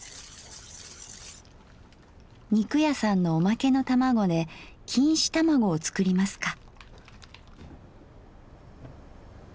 肉屋さんのおまけの卵で錦糸卵を作りますか。